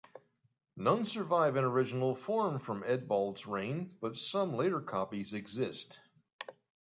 None survive in original form from Eadbald's reign, but some later copies exist.